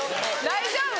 大丈夫？